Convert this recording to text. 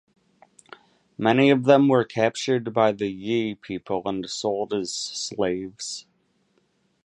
Many of them were captured by the Yi people and sold as slaves.